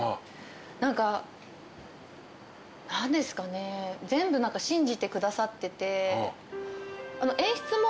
何ですかねぇ全部信じてくださってて。